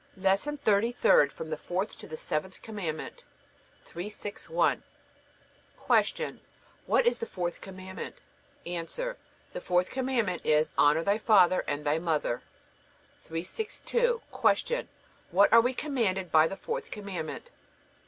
LESSON THIRTY THIRD FROM THE FOURTH TO THE SEVENTH COMMANDMENT 361. Q. What is the fourth Commandment? A. The fourth Commandment is: Honor thy father and thy mother. 362. Q. What are we commanded by the fourth Commandment?